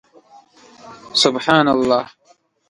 سبحان الله